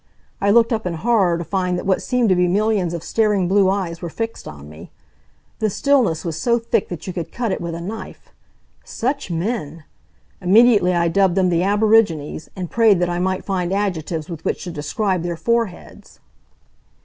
I looked up in horror to find that what seemed to be millions of staring blue eyes were fixed on me. The stillness was so thick that you could cut it with a knife. Such men! Immediately I dubbed them the aborigines, and prayed that I might find adjectives with which to describe their foreheads.